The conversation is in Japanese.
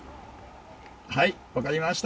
はいわかりました。